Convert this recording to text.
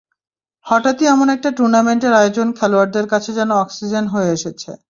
হঠাৎই এমন একটা টুর্নামেন্টের আয়োজন খেলোয়াড়দের কাছে যেন অক্সিজেন হয়ে এসেছে।